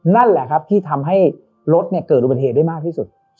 นั่นแหละครับที่ทำให้รถเกิดอุบัติเหตุได้มากที่สุด